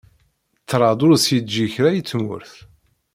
Ṭṭraḍ ur s-yeǧǧi kra i tmurt.